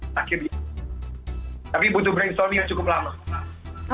tapi butuh brainstormnya cukup lama